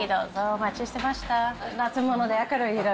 お待ちしてました。